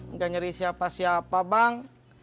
nggak nyari siapa siapa bang